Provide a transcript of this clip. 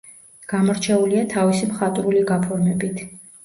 გამორჩეულია თავისი მხატვრული გაფორმებით.